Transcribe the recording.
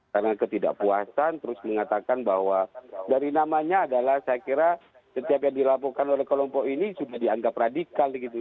karena ketidakpuasan terus mengatakan bahwa dari namanya adalah saya kira setiap yang dilaporkan oleh kelompok ini sudah dianggap radikal gitu